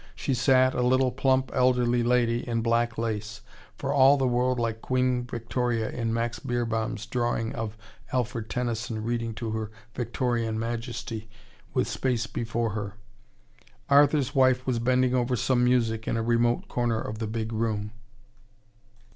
She sat, a little plump elderly lady in black lace, for all the world like Queen Victoria in Max Beerbohm's drawing of Alfred Tennyson reading to her Victorian Majesty, with space before her. Arthur's wife was bending over some music in a remote corner of the big room.